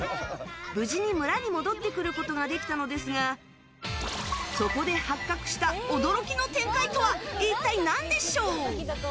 無事に村に戻ってくることができたのですがそこで発覚した驚きの展開とは一体何でしょう。